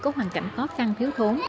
có hoàn cảnh khó khăn thiếu thốn